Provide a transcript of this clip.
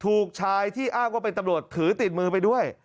ถูกชายที่อ้างว่าเป็นตำรวจถือติดมือไปด้วย